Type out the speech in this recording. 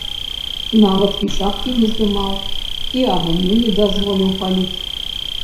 Нават і шапкі не здымаў і агню не дазволіў паліць.